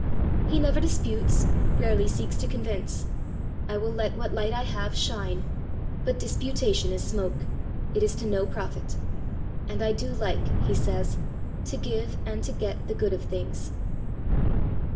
He never disputes, rarely seeks to convince. "I will let what light I have shine; but disputation is smoke. It is to no profit! And I do like," he says, "to give and to get the good of things!"